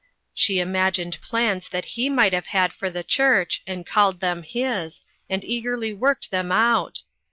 She imagined plans that he might have had for the church, and called them his, and eagerly worked them out.